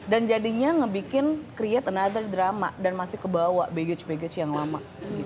dan jadinya ngebikin create another drama dan masih kebawa baggage baggage yang lama